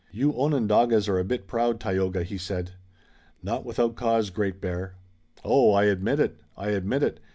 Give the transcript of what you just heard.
"You Onondagas are a bit proud, Tayoga," he said. "Not without cause, Great Bear." "Oh, I admit it! I admit it!